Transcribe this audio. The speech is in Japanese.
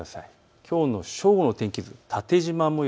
きょうの正午の天気、縦じま模様。